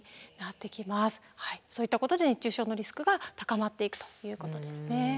そういったことで熱中症のリスクが高まっていくということですね。